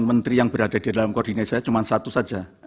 menteri yang berada di dalam koordinasi saya cuma satu saja